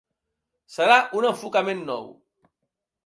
Serà un enfocament nou.